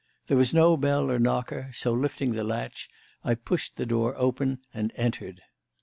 There was no bell or knocker, so, lifting the latch, I pushed the door open and entered.